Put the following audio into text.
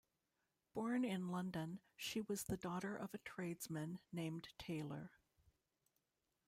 Born in London, she was the daughter of a tradesman named Taylor.